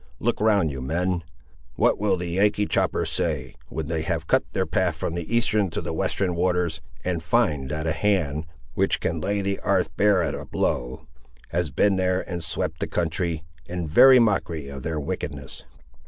Look around you, men; what will the Yankee Choppers say, when they have cut their path from the eastern to the western waters, and find that a hand, which can lay the 'arth bare at a blow, has been here and swept the country, in very mockery of their wickedness.